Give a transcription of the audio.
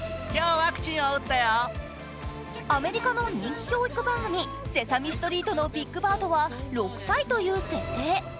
アメリカの人気教育番組「セサミストリート」のビッグバードは６歳という設定。